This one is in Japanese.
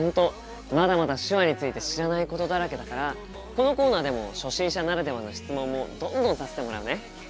まだまだ手話について知らないことだらけだからこのコーナーでも初心者ならではの質問もどんどんさせてもらうね。